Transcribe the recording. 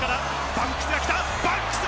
バンクスが来た！